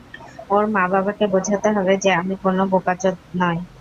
ওর মা-বাবাকে বোঝাতে হবে যে আমি কোনো বোকচোদ না।